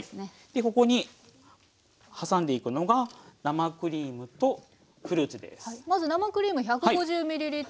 でここに挟んでいくのが生クリームとフルーツです。